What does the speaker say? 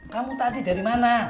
kamu tadi dari mana